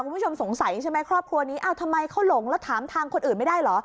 คุณผู้ชมสงสัยใช่ไหมครอบครัวนี้อ้าวทำไมเขาหลงแล้วถามทางคนอื่นไม่ได้เหรอ